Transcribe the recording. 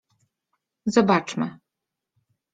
Zobaczmy.